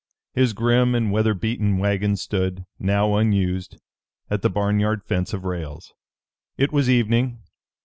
His grim and weather beaten wagon stood, now unused, at the barnyard fence of rails. It was evening.